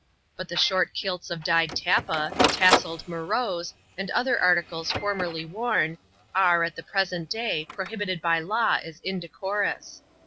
But the short kilts of dyed tappa, the tasselled maroes, and other articles formerly worn, are, at the present day, prohibited by law as indecorous.